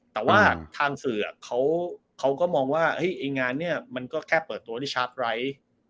แต่ว่าทางสื่อเขาก็มองว่าไอ้งานนี้มันก็แค่เปิดตัวที่ชาร์จไร้